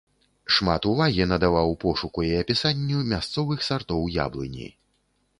Шмат увагі надаваў пошуку і апісанню мясцовых сартоў яблыні.